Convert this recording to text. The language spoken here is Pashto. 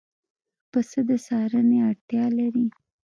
پسه د څارنې اړتیا لري.